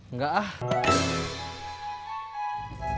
nah kalau ini cocok buat petinju